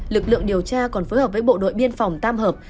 lực lượng điều tra còn phối hợp với bộ đội biên phòng tam hợp